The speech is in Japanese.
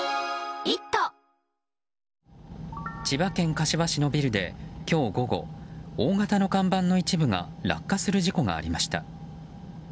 千葉県柏市のビルで今日午後大型の看板の一部が落下する事故がありました。